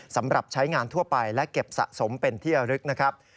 สำหรับใช้งานทั่วไปและเก็บสะสมเป็นที่ระลึกนะครับ